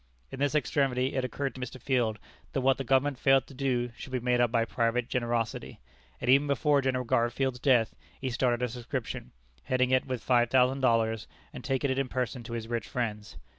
In this extremity it occurred to Mr. Field that what the Government failed to do should be made up by private generosity; and even before General Garfield's death he started a subscription, heading it with five thousand dollars, and taking it in person to his rich friends.